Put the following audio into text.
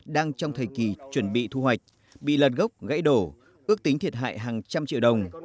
đang trong thời kỳ chuẩn bị thu hoạch bị lật gốc gãy đổ ước tính thiệt hại hàng trăm triệu đồng